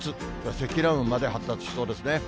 積乱雲まで発達しそうですね。